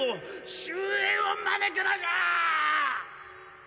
終焉を招くのじゃ！